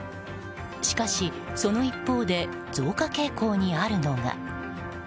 しかし、その一方で増加傾向にあるのが。